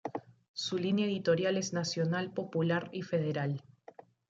Su línea editorial es nacional, popular y federal.